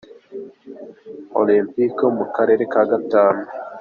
olempike yo mu karere ka Gatanu